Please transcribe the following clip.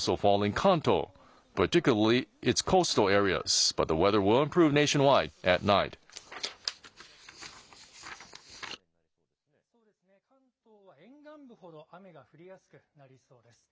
関東は沿岸部ほど雨が降りやすくなりそうです。